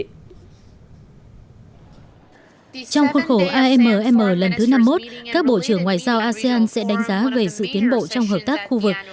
trong khuôn khổ amm lần thứ năm mươi một các bộ trưởng ngoại giao asean sẽ đánh giá về sự tiến bộ trong hợp tác khu vực